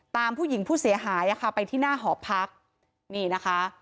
ตามผู้หญิงผู้เสียหายไปที่หน้าหอพัก